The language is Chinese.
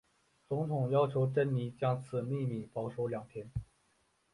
总统要求珍妮将此秘密保守两天。